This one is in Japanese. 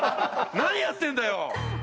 何やってんだよ！